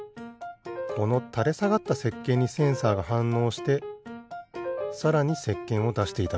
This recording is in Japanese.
このたれさがったせっけんにセンサーがはんのうしてさらにせっけんをだしていたのか。